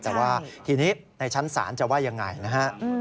แต่ว่าทีนี้ในชั้นศาลจะว่ายังไงนะฮะ